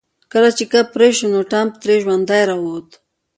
کله چې کب پرې شو نو ټام ترې ژوندی راووت.